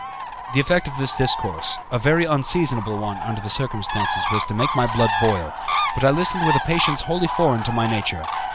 The effect of this discourse a very unseasonable one, under the circumstances was to make my blood boil, but I listened with a patience wholly foreign to my nature.